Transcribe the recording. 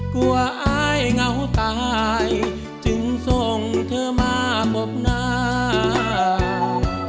กลัวอ้ายเหงาตายจึงส่งเธอมาบบนาย